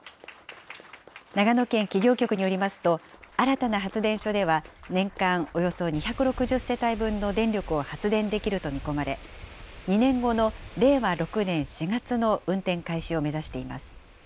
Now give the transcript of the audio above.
長野県企業局によりますと、新たな発電所では、年間およそ２６０世帯分の電力を発電できると見込まれ、２年後の令和６年４月の運転開始を目指しています。